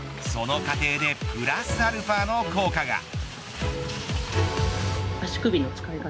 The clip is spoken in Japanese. その過程でプラスアルファの効果が。